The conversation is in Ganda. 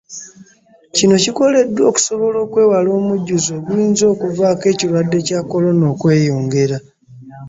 Kino kikoleddwa okusobola okwewala omujjuzo oguyinza okuvaako ekirwadde kya Corona okweyongera